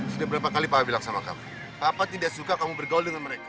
sudah berapa kali papa bilang sama kamu papa tidak suka kamu bergaul dengan mereka